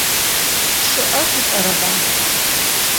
ЧъыӀэ шъулӀэрэба?